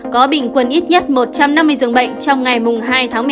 có bình quân ít nhất một trăm năm mươi giường bệnh trong ngày hai tháng một mươi hai